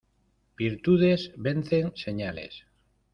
Virtudes vencen señales.